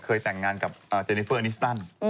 เคยแต่งงานกับเจนิเฟอร์อนิสตัน